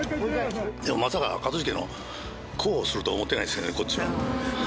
まさか一茂の広報するとは思ってないですよね、こっちも。